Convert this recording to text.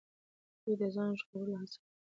دوی د ځان ژغورلو هڅه کوي.